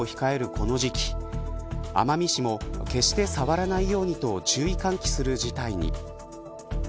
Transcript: この時期奄美市も決して触らないようにと注意喚起する事態に。